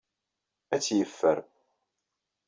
Ad tt-yeffer.